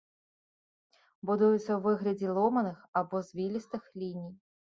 Будуюцца ў выглядзе ломаных або звілістых ліній.